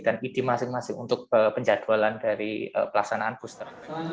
ide masing masing untuk penjadwalan dari pelaksanaan booster